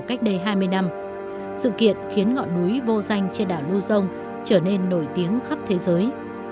cách đây hai mươi năm sự kiện khiến ngọn núi vô danh trên đảo luzon trở nên nổi tiếng khắp thế giới